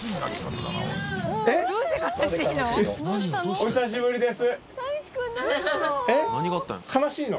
お久しぶりです。